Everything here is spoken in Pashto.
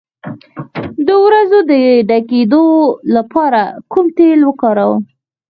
د وروځو د ډکیدو لپاره کوم تېل وکاروم؟